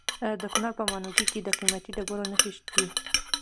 د کونړ په ماڼوګي کې د قیمتي ډبرو نښې دي.